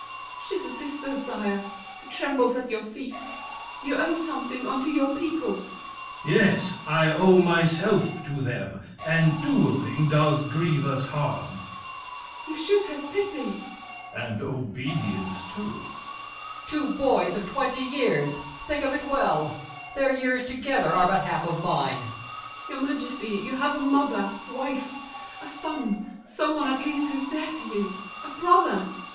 She's a sister, sire, Who trembles at your feet. You owe something Unto your people! THE KING. Yes! I owe myself To them, and dueling does grievous harm. MARION. You should have pity! THE KING. And obedience, too! MARQUIS DE NANGIS. Two boys of twenty years! Think of it well! Their years together are but half of mine! MARION. Your Majesty, you have a mother, wife, A son—some one at least who's dear to you! A brother?